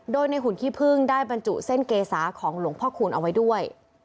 โดยในหุ่นขี้พึ่งได้บรรจุเส้นเกษาของหลวงพ่อคูณเอาไว้ด้วย